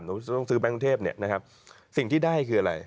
สมมุติต้องซื้อแบงค์กรุงเทพฯสิ่งที่ได้คืออะไร